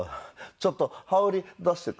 ちょっと羽織出してくれよ。